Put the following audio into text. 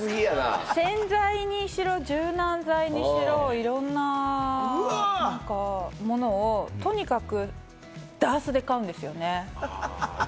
洗剤にしろ、柔軟剤にしろ、いろんなものをとにかくダースで買うんですよ。